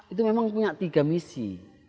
itu memang punya tiga misi